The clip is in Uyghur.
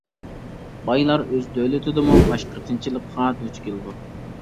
بايلار ئۆز دۆلىتىدىمۇ باش قېتىنچىلىققا دۇچ كېلىدۇ.